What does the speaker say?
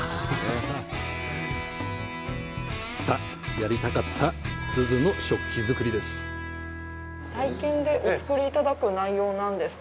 さあ、やりたかった錫の食器作りです。